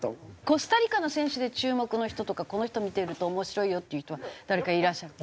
コスタリカの選手で注目の人とかこの人見ていると面白いよっていう人は誰かいらっしゃる。